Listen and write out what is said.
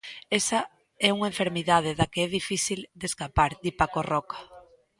"Esa é unha enfermidade da que é difícil de escapar", di Paco Roca.